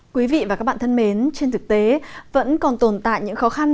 quý vị và các bạn thân mến trên thực tế vẫn còn tồn tại những khó khăn